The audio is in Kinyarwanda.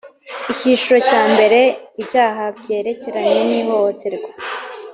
icyiciro cyambere ibyaha byerekeranye nihohoterwa